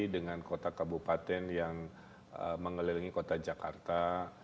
dengan kota kabupaten yang mengelilingi kota jakarta